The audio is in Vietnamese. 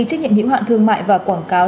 trách nhiệm hữu hạn thương mại và quảng cáo